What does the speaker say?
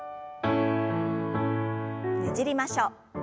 ねじりましょう。